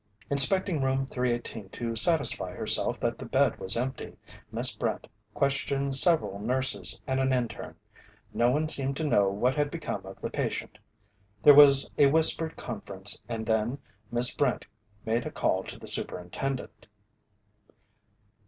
Inspecting Room 318 to satisfy herself that the bed was empty, Miss Brent questioned several nurses and an interne. No one seemed to know what had become of the patient. There was a whispered conference and then Miss Brent made a call to the superintendent.